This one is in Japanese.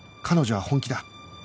彼女は本気だ